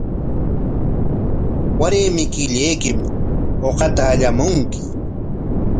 Waray kikillaykim uqata allamunki.